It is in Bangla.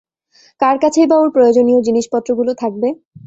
কার কাছেই বা ওর প্রয়োজনীয় জিনিসপত্রগুলো থাকবে?